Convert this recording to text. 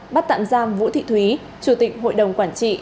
bắt tạm giam vũ thị thúy chủ tịch hội đồng quản trị